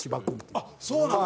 あっそうなん？